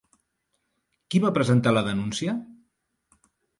Qui va presentar la denúncia?